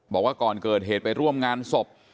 บอกว่าก่อนเกิดเหตุไปร่วมงานศพ